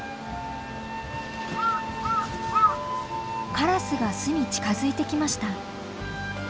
カラスが巣に近づいてきました。